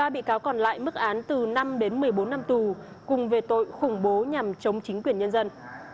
một mươi bị cáo còn lại mức án từ năm đến một mươi bốn năm tù cùng về tội khủng bố nhằm chống chính quyền nhân dân